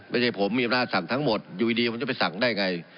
ไม่ใช่ผมมีอำนาจการสั่งทั้งหมดอยู่สู่ดีปกติจะไปสั่งได้ยังไง